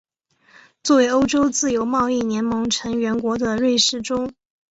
作为欧洲自由贸易联盟成员国的瑞士中。